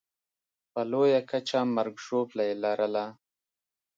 په لویه کچه مرګ ژوبله یې لرله.